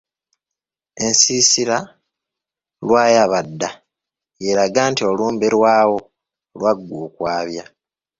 Ensiisira Lwayabadda y'eraga nti olumbe lwawo lwaggwa okwabya.